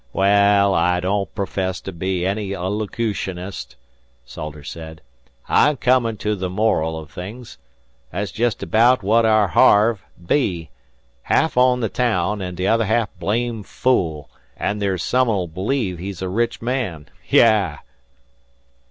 "Wal, I don't profess to be any elocutionist," Salters said. "I'm comin' to the moral o' things. That's jest abaout what aour Harve be! Ha'af on the taown, an' t'other ha'af blame fool; an' there's some'll believe he's a rich man. Yah!"